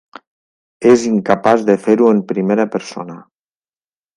És incapaç de no fer-ho en primera persona.